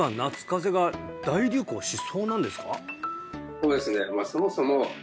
そうですね